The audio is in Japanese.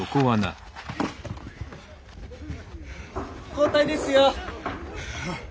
交代ですよ。